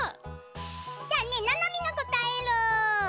じゃあねななみもこたえる。